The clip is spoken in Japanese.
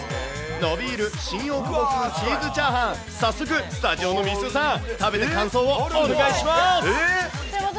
のびーる新大久保風チーズチャーハン、早速スタジオのミースーさん、食べて感想をお願いします。